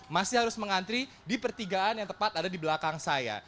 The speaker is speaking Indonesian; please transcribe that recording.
masih harus mengantri di pertigaan yang tepat ada di belakang saya